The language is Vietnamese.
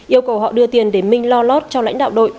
yêu cầu họ đưa tiền để minh lo lót cho lãnh đạo đội